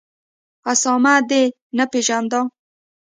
اسامه دي نه پېژاند